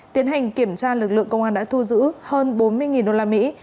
tiến hành kiểm tra lực lượng công an đã thu giữ hơn bốn mươi đô la mỹ